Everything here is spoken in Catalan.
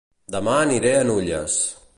Dema aniré a Nulles